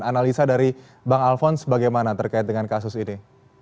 analisa dari bang alphonse bagaimana terkait dengan kasus ini